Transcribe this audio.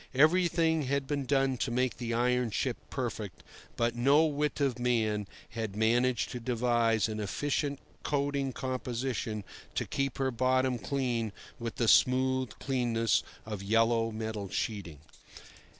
Everything had been done to make the iron ship perfect, but no wit of man had managed to devise an efficient coating composition to keep her bottom clean with the smooth cleanness of yellow metal sheeting.